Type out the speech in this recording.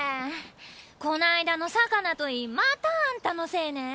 こないだの魚といいまたあんたのせいね？